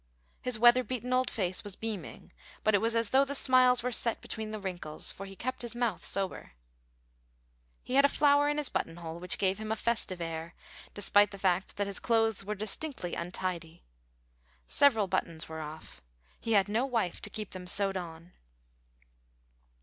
His weather beaten old face was beaming, but it was as though the smiles were set between the wrinkles, for he kept his mouth sober. He had a flower in his button hole, which gave him a festive air, despite the fact that his clothes were distinctly untidy. Several buttons were off: he had no wife to keep them sewed on.